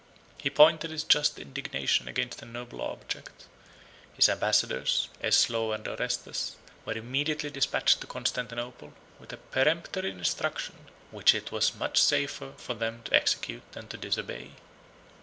He pointed his just indignation against a nobler object. His ambassadors, Eslaw and Orestes, were immediately despatched to Constantinople, with a peremptory instruction, which it was much safer for them to execute than to disobey.